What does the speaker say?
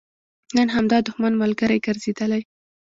نن همدا دښمن ملګری ګرځېدلی.